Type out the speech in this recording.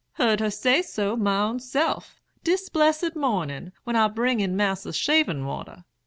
"'Heard her say so, my own self, dis blessed mornin', when I bring in Mas'r's shaving water.